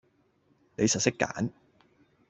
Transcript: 你實識揀